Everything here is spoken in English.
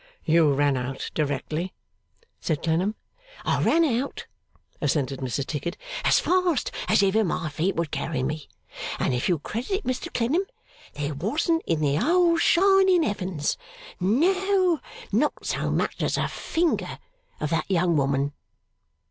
'You ran out directly?' said Clennam. 'I ran out,' assented Mrs Tickit, 'as fast as ever my feet would carry me; and if you'll credit it, Mr Clennam, there wasn't in the whole shining Heavens, no not so much as a finger of that young woman.